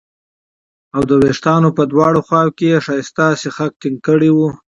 او د وېښتانو په دواړو خواوو کې یې ښایسته سیخک ټینګ کړي وو